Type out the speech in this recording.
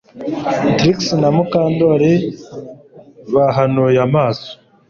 Trix na Mukandoli bahanuye amaso